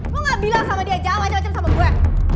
gue gak bilang sama dia jawab aja macam sama gue